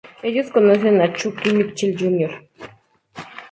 Ellos conocen a Chuck Mitchell Jr.